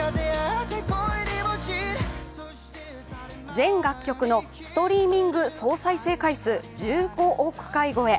全楽曲のストリーミング総再生回数１５億回超え。